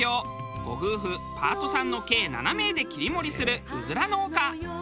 ご夫婦パートさんの計７名で切り盛りするうずら農家。